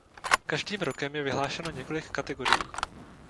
Každým rokem je vyhlášeno několik kategorií.